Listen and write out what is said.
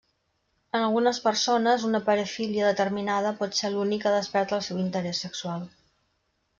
En algunes persones, una parafília determinada pot ser l'únic que desperta el seu interès sexual.